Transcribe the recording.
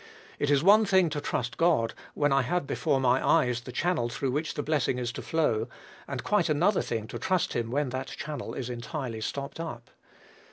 It is one thing to trust God when I have before my eyes the channel through which the blessing is to flow; and quite another thing to trust him when that channel is entirely stopped up.